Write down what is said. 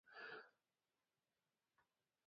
دلته د معراج او میلادالنبي په شپو کې مراسم جوړېږي.